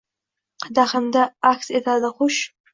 Qadahimda aks etadi xush